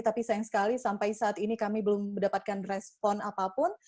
tapi sayang sekali sampai saat ini kami belum mendapatkan respon apapun